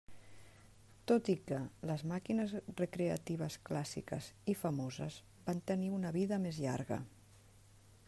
Tot i que les màquines recreatives clàssiques i famoses van tenir una vida més llarga.